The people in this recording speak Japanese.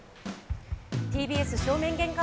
ＴＢＳ正面玄関